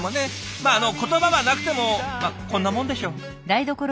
まあ言葉はなくてもこんなもんでしょう。